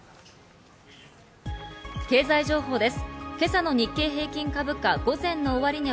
経済情報です。